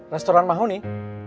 restoran mahu nih